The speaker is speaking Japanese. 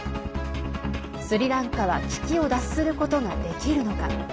スリランカは危機を脱することができるのか。